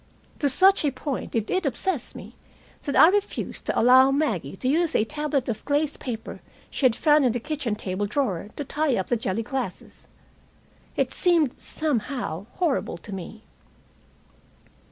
To such a point did it obsess me that I refused to allow Maggie to use a tablet of glazed paper she had found in the kitchen table drawer to tie up the jelly glasses. It seemed, somehow, horrible to me.